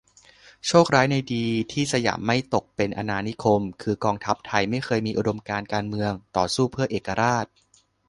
โชคร้ายในดีที่สยามไม่ตกเป็นอาณานิคม คือกองทัพไทยไม่เคยมีอุดมการณ์การเมืองต่อสู้เพื่อเอกราช